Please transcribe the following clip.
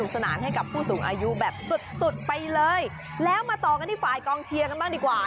สนานให้กับผู้สูงอายุแบบสุดสุดไปเลยแล้วมาต่อกันที่ฝ่ายกองเชียร์กันบ้างดีกว่า